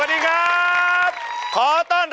ขอต้อนรับคุณผู้ชมด้วยเสียงเพลง